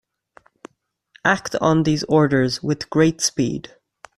Act on these orders with great speed.